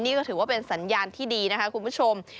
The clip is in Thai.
นี่ก็ถือว่าเป็นสัญญาณที่ดีนะคะคุณผู้ชม